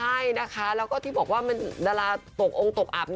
ใช่นะคะแล้วก็ที่บอกว่ามันดาราตกองค์ตกอับ